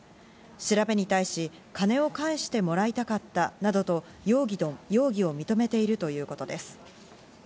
調べに対し、金を返してもらいたかったなどと容疑を認めているということです。